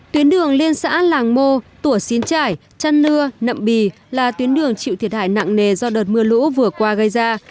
tuyến đường liên xã làng mô tủa xín trải chăn nưa nậm bì là tuyến đường chịu thiệt hại nặng nề do đợt mưa lũ vừa qua gây ra